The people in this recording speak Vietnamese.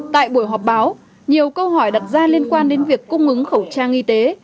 tại buổi họp báo nhiều câu hỏi đặt ra liên quan đến việc cung ứng khẩu trang y tế